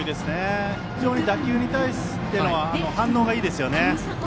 非常に打球に対しての反応がいいですよね。